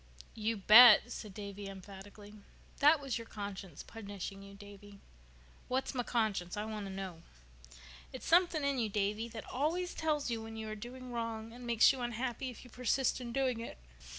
"You bet!" said Davy emphatically. "That was your conscience punishing you, Davy." "What's my conscience? I want to know." "It's something in you, Davy, that always tells you when you are doing wrong and makes you unhappy if you persist in doing it.